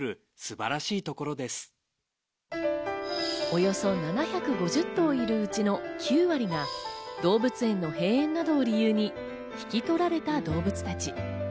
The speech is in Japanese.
およそ７５０頭いるうちの９割が動物園の閉園などを理由に引き取られた動物たち。